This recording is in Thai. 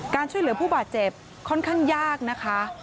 ช่วยเหลือผู้บาดเจ็บค่อนข้างยากนะคะ